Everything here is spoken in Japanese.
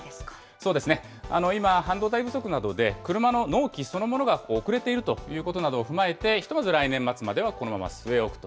そうですね、今、半導体不足などで、車の納期そのものが遅れているということなどを踏まえて、ひとまず来年末までは、このまま据え置くと。